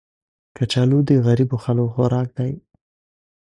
کچالو د غریبو خلکو خوراک دی